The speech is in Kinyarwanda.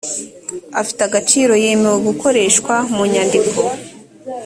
afite agaciro yemewe gukoreshwa mu nyandiko